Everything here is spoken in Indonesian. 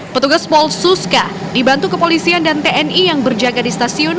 petugas polsuska dibantu kepolisian dan tni yang berjaga di stasiun